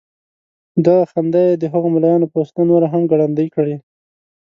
دغه خندا یې د هغو ملايانو په وسيله نوره هم ګړندۍ کړې.